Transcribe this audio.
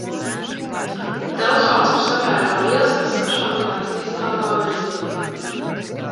Telsons ir samēra liels, kas sašaurinās distālā virzienā.